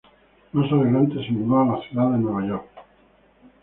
Más adelante se mudó a la ciudad de Nueva York.